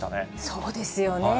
そうですよね。